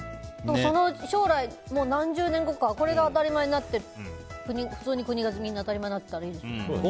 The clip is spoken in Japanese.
将来、何十年後かこれが当たり前になって普通に国で、みんな当たり前になってたらいいですよね。